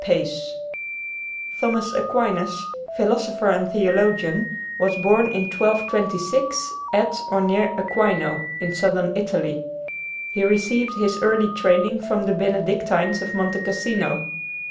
PACE Thomas Aquinas, philosopher and theologian, was born in 1226, at or near Aquino, in Southern Italy. He received his early training from the Benedictines of Monte Cassino.